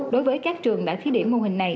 đối với các trường đã thí điểm mô hình này